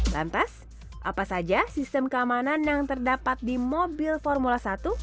lantas apa saja sistem keamanan yang terdapat di mobil formula satu